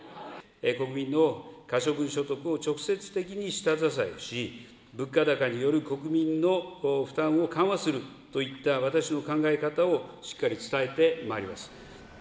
国民の可処分所得を直接的に下支えし、物価高による国民の負担を緩和するといった私の考え方をしっかり伝えてまいります。